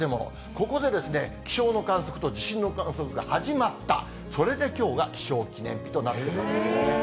ここで気象の観測と地震の観測が始まった、それできょうが気象記念日となってるんですね。